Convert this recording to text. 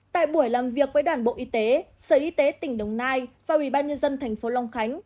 tại buổi làm việc với đoàn bộ y tế sở y tế tp long khánh và ubnd tp long khánh